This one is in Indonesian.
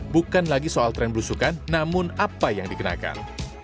bukan lagi soal tren belusukan namun apa yang dikenakan